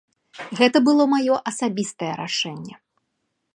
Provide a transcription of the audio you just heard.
Гэта было маё асабістае рашэнне.